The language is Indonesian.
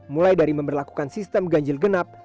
mulai dari memperlakukan sistem ganjil genap